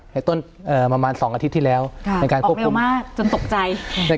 ในต้นเอ่อประมาณ๒อาทิตย์ที่แล้วออกเร็วมากจนตกใจ